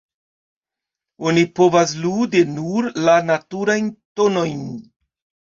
Oni povas ludi nur la naturajn tonojn.